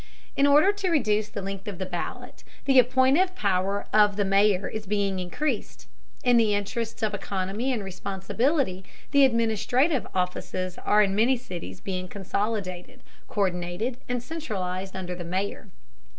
In order to reduce the length of the ballot, the appointive power of the mayor is being increased. In the interests of economy and responsibility the administrative offices are in many cities being consolidated, co÷rdinated and centralized under the mayor.